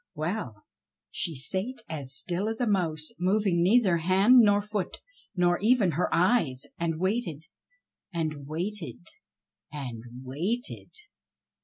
Well ! she sate as still as a mouse, moving neither hand nor foot, nor even her eyes, and waited, and waited, and waited.